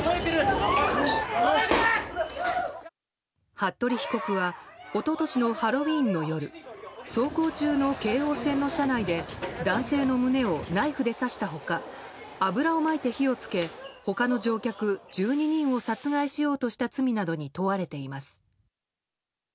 服部被告は一昨年のハロウィーンの夜走行中の京王線の車内で男性の胸をナイフで刺した他油をまいて火を付け他の乗客１２人を殺害しようとした罪などに問われています。